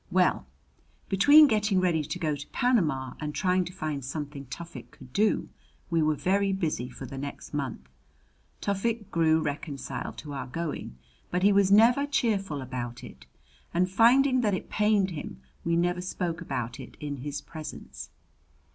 Well, between getting ready to go to Panama and trying to find something Tufik could do, we were very busy for the next month. Tufik grew reconciled to our going, but he was never cheerful about it; and finding that it pained him we never spoke about it in his presence.